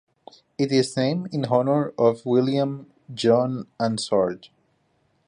It is named in honor of William John Ansorge.